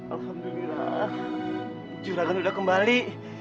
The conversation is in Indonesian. alhamdulillah juragan udah kembali